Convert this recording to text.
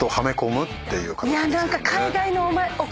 いや何か。